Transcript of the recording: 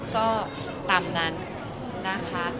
ก็ตามนั้นนะคะ